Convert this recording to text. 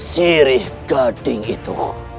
sirih gading itu